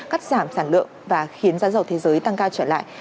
cắt giảm sản lượng và khiến giá dầu thế giới tăng cao trở lại